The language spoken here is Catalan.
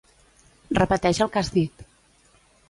Repeteix el que has dit.